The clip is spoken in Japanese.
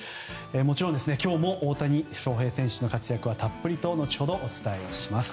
もちろん、今日も大谷翔平選手の活躍はたっぷりと後ほどお伝えします。